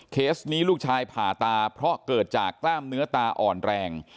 เคสนี้ลูกชายผ่าตาเพราะเกิดจากกล้ามเนื้อตาอ่อนแรง